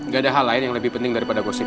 gak ada hal lain yang lebih penting daripada gosip